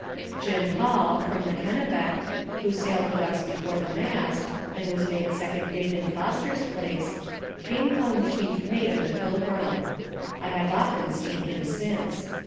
Jim Hall, from the Kennebec, who sailed with us before the mast, and was made second mate in Foster's place, came home chief mate of the Pilgrim. I have often seen him since.